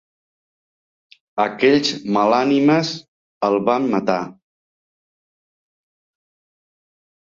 Aquells malànimes el van matar.